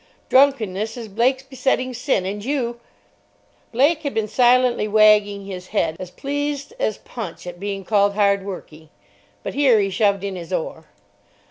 Drunkenness is Blake's besetting sin, and you——" Blake had been silently wagging his head, as pleased as Punch at being called hardworking. But here he shoved in his oar.